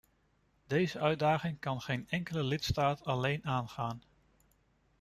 Deze uitdaging kan geen enkele lidstaat alleen aangaan.